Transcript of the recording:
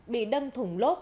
bị đâm thủng lốt